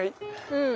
うん。